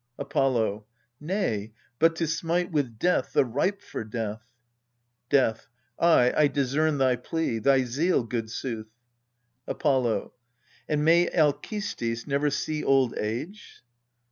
Apollo. Nay, but to smite with death the ripe for death. Death. Ay, I discern thy plea thy zeal, good sooth ! Apollo. And may Alcestis never see old age